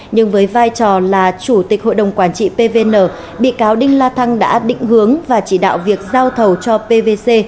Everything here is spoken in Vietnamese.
nhưng với vai trò là chủ tịch hội đồng quản trị pvn bị cáo đinh la thăng đã định hướng và chỉ đạo việc giao thầu cho pvc